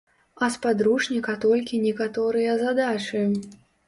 А з падручніка толькі некаторыя задачы.